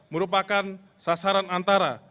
merupakan sasaran antara